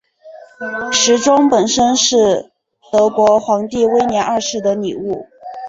时钟本身是是德国皇帝威廉二世的礼物。